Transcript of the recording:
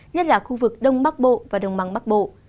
nhất là khu vực đông bắc bộ và đông mắng bắc bộ